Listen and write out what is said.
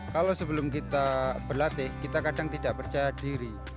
kalau sebelum kita berlatih kita kadang tidak percaya diri